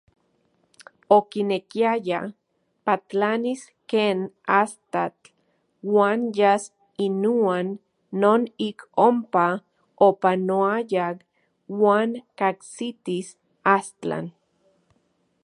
Okinekiaya patlanis ken astatl uan yas inuan non ik onpa opanoayaj uan kajsitis Astlan.